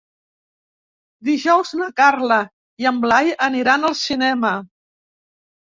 Dijous na Carla i en Blai aniran al cinema.